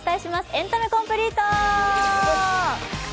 「エンタメコンプリート」。